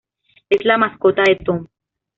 Es la mascota de Tom.